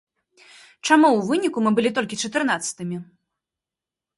Чаму ў выніку мы былі толькі чатырнаццатымі?